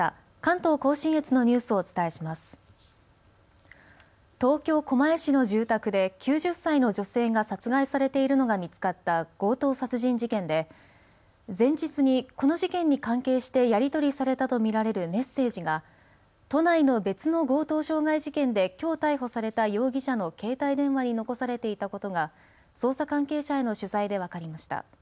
東京狛江市の住宅で９０歳の女性が殺害されているのが見つかった強盗殺人事件で前日にこの事件に関係してやり取りされたと見られるメッセージが都内の別の強盗傷害事件できょう逮捕された容疑者の携帯電話に残されていたことが捜査関係者への取材で分かりました。